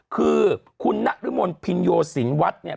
คือคุณนรมนภินโยสินวัดเนี่ย